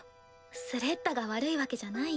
スレッタが悪いわけじゃないよ。